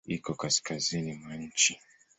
Iko kaskazini mwa nchi.